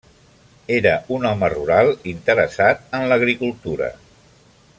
Era un home rural, interessat en l'agricultura.